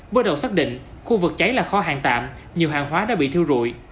bước đầu xác định khu vực cháy là kho hàng tạm nhiều hàng hóa đã bị thiêu rụi